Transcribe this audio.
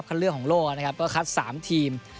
เลือกของโลกนะครับก็คัด๓ทีม